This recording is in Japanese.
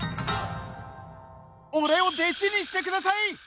俺を弟子にしてください！